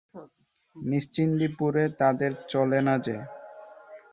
নিশ্চিন্দিপুরে তাদের চলে না যে?